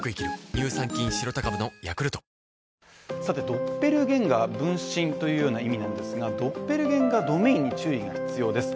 ドッペルゲンガー、分身というような意味なんですがドッペルゲンガー・ドメインに注意が必要です。